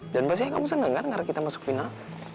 dan pastinya kamu senang kan karena kita masuk final